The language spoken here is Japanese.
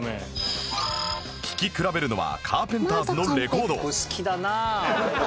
聴き比べるのはカーペンターズのレコード